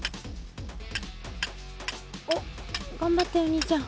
おっがんばってお兄ちゃん。